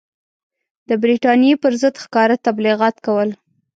د برټانیې پر ضد ښکاره تبلیغات کول.